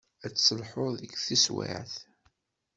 Ad tt-sselḥuɣ deg teswiεt.